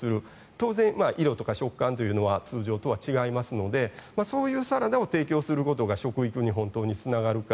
当然、色とか食感というのは通常とは違いますのでそういうサラダを提供することが食育に本当につながるか。